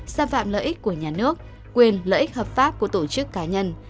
xâm phạm lợi ích của nhà nước quyền lợi ích hợp pháp của tổ chức cá nhân